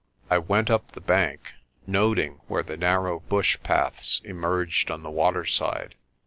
I went up the bank, noting where the narrow bush paths emerged on the waterside.